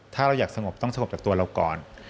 ถ้าเราอยากสงบต้องสงบจากตัวเราก่อน